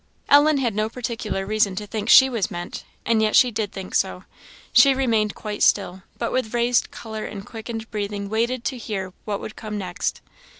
Ellen had no particular reason to think she was meant, and yet she did think so. She remained quite still, but with raised colour and quickened breathing waited to hear what would come next.